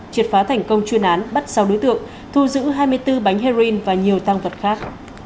triệt phá thành công chuyên án bắt sáu đối tượng thu giữ hai mươi bốn bánh heroin và nhiều tăng vật khác